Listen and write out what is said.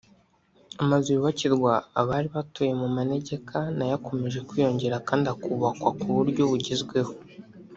Amazu yubakirwa abari batuye mu manegeka na yo akomeje kwiyongera kandi akubakwa ku buryo bugezweho